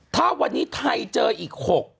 ถ้าวันนี้ไทยเจออีก๖